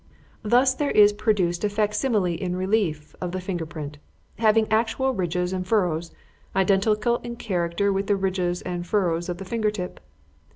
Thus there is produced a facsimile in relief of the finger print having actual ridges and furrows identical in character with the ridges and furrows of the finger tip.